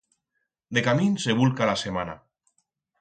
Decamín se vulca la semana.